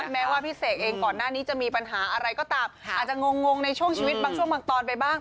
แม้ว่าพี่เสกเองก่อนหน้านี้จะมีปัญหาอะไรก็ตามอาจจะงงในช่วงชีวิตบางช่วงบางตอนไปบ้าง